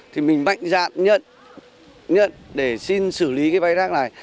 thì mình mạnh dạn nhận để xin xử lý cái bãi rác này